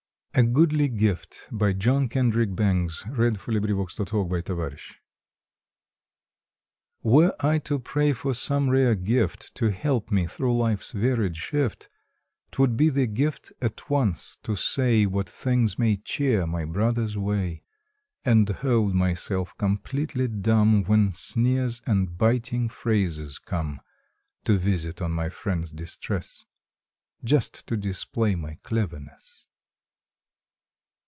away The sad mischance of Yesterday. February Twenty fourth A GOODLY GIFT WERE I to pray for some rare gift To help me through life s varied shift, T would be the gift at once to say What things may cheer my brother s way, And hold myself completely dumb When sneers and biting phrases come To visit on my friend s distress, Just to display my cleverness.